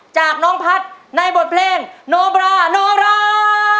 จากน้องพัฒน์ในบทเพลงโนบราโนรา